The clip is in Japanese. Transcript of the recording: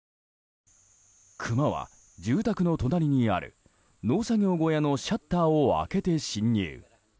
クマは住宅の隣にある農作業小屋のシャッターを開けて侵入。